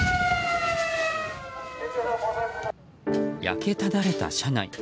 焼けただれた車内。